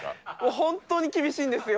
本当に厳しいんですよ。